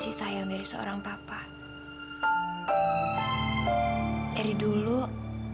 gliup trek liur biar langahan mereka